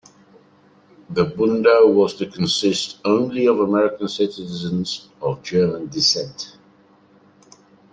The Bund was to consist only of American citizens of German descent.